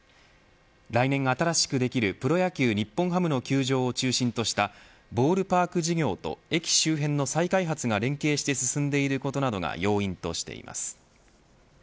来年新しくできる、プロ野球日本ハムの球場を中心としたボールパーク事業と駅周辺の再開発が連携して進んでいることなどが要因としています。